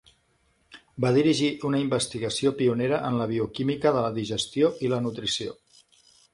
Va dirigir una investigació pionera en la bioquímica de la digestió i la nutrició.